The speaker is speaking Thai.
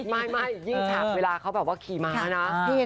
ไม่ยิ่งฉับเวลาเขาแบบว่าขี่ม้านะ